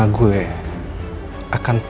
akan terus ikut campur nama gue